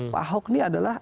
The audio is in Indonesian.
pak ahok ini adalah